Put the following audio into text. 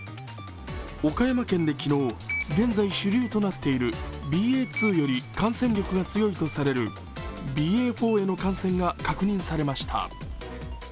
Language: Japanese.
岡山県で昨日、現在主流となっているＢＡ．２より感染力が強いとされるＢＡ．４への感染が確認されました。